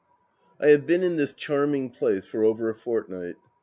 I HAVE been in this charming place for over a fortnight.